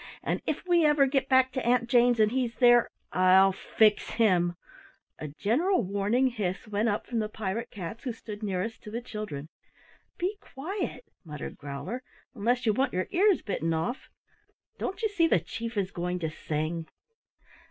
"And if we ever get back to Aunt Jane's and he's there, I'll fix him " A general warning hiss went up from the pirate cats who stood nearest to the children. "Be quiet," muttered Growler, "unless you want your ears bitten off? Don't you see the Chief is going to sing?"